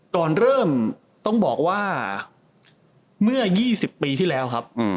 ก่อนเริ่มต้องบอกว่าเมื่อ๒๐ปีที่แล้วครับ